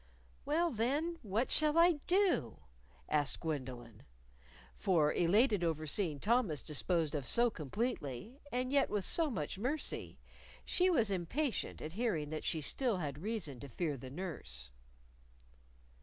"Well, then, what shall I do?" asked Gwendolyn. For, elated over seeing Thomas disposed of so completely and yet with so much mercy she was impatient at hearing that she still had reason to fear the nurse.